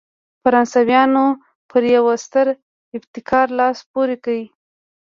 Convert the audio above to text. فرانسویانو پر یوه ستر ابتکار لاس پورې کړ.